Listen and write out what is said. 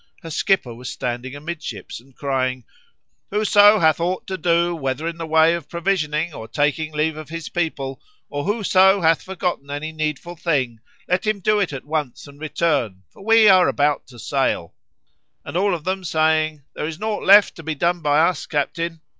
Her skipper was standing amidships and crying, "Whoso hath aught to do, whether in the way of provisioning or taking leave of his people; or whoso hath forgotten any needful thing, let him do it at once and return, for we are about to sail"; and all of them saying, "There is naught left to be done by us, O captain!"